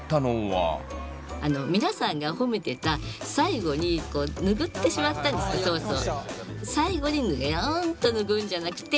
あの皆さんが褒めてた最後にぬぐってしまったんですねソースを。